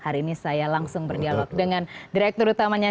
hari ini saya langsung berdialog dengan direktur utamanya